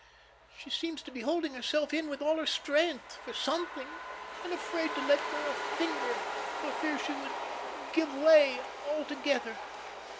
She seems to be holding herself in with all her strength for something and afraid to let go a finger, for fear she would give way altogether.